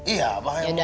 iya abah yang mundur